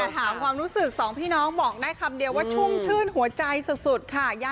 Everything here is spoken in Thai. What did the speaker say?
แต่ถามความรู้สึกสองพี่น้องบอกได้คำเดียวว่าชุ่มชื่นหัวใจสุดค่ะ